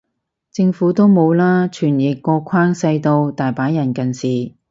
政府都冇啦，傳譯個框細到，大把人近視